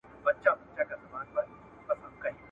دا په وينو روزل سوي !.